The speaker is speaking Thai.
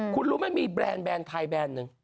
คุณรู้ไหมมีแบรนดแรนด์ไทยแบรนด์หนึ่ง